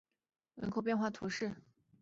格里莫人口变化图示